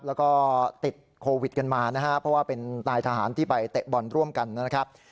แล้วก็ติดโควิดกันมานะครับเพราะว่าเป็นนายทหารที่ไปเตะบอลร่วมกันนะครับ